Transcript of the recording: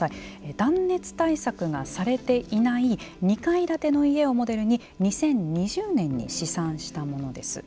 断熱対策がされていない２階建ての家をモデルに２０２０年に試算したものです。